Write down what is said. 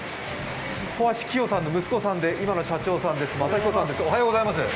帆足キヨさんの息子さんで今の社長さんです政彦さんです。